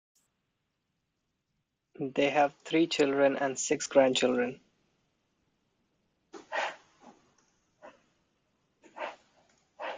They have three children and six grandchildren.